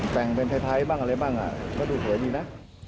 แต่งใบไทยบางเลยบ่งอ่ะก็ดูสวยดีนะ